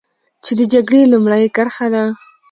چې د جګړې لومړۍ کرښه ده.